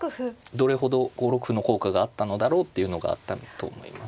どれほど５六歩の効果があったのだろうっていうのがあったんだと思います。